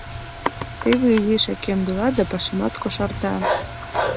Теве изишак ямдыла да пашамат кошарта.